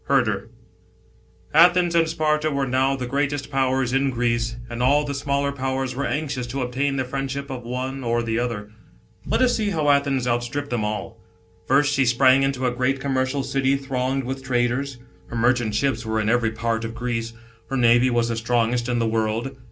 HERDER. ATHENS and Sparta were now the greatest Powers in Greece, and all the smaller Powers were anxious to obtain the friendship of one or the other. Let us see how Athens outstripped them all. First she sprang into a great commercial city thronged with traders ; her merchant ships were in every part of Greece ; her navy was the strongest in the world.